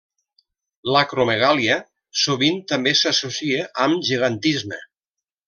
L'acromegàlia sovint també s'associa amb gegantisme.